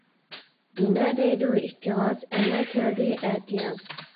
نېمە دەيدۇ ئىككى غاز-ئەنە كەلدى ئەتىياز.